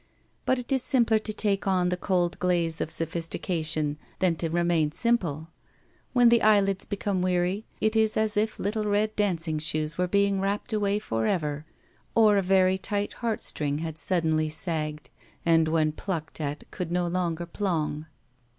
But it is simpler to take on the cold glaze of sophis tication than to remain simple. When the eyelids become weary, it is as if little red dancing shoes were being wrapped away forever, or a very tight heartstring had suddenly sagged, and when plucked at could no longer plong.